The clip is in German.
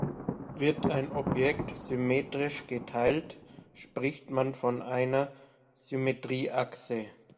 Wird ein Objekt symmetrisch geteilt, spricht man von einer Symmetrieachse.